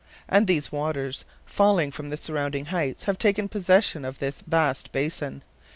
And these waters falling from the surrounding heights have taken possession of this vast basin.